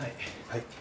はい。